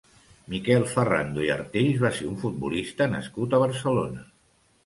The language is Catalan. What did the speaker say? Miquel Ferrando i Artells va ser un futbolista nascut a Barcelona.